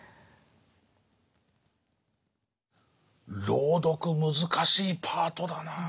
朗読難しいパートだな。